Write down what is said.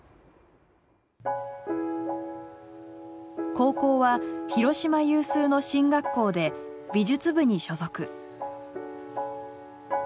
高校は広島有数の進学校で美術部に所属。